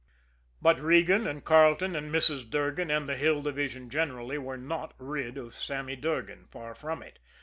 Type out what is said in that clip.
But Regan, and Carleton, and Mrs. Durgan, and the Hill Division generally were not rid of Sammy Durgan far from it.